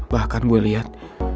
bahkan gue liat